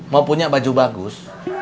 mau punya baju bagus